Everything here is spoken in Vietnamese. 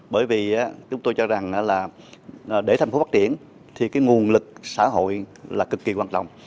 bởi vì chúng tôi cho rằng là để thành phố phát triển thì cái nguồn lực xã hội là cực kỳ quan trọng